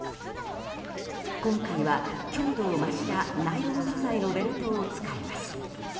今回は強度を増したナイロン素材のベルトを使います。